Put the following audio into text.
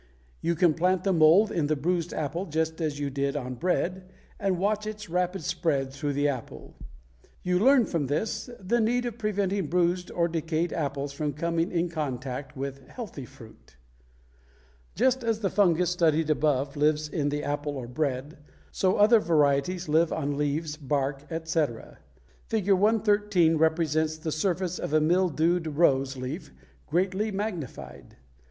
You can plant the mold in the bruised apple just as you did on bread and watch its rapid spread through the apple. You learn from this the need of preventing bruised or decayed apples from coming in contact with healthy fruit. [Illustration: FIG. 116. SPORES OF THE PEAR SCAB The spores are borne on stalks] Just as the fungus studied above lives in the apple or bread, so other varieties live on leaves, bark, etc. Fig. 113 represents the surface of a mildewed rose leaf greatly magnified.